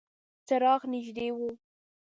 څراغ نږدې و.